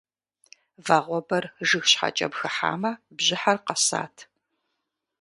Вагъуэбэр жыг щхьэкӏэм хыхьамэ бжьыхьэр къэсат.